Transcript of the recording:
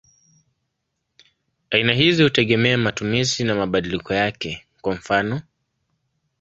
Aina hizi hutegemea matumizi na mabadiliko yake; kwa mfano.